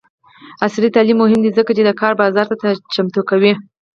عصري تعلیم مهم دی ځکه چې د کار بازار ته چمتو کوي.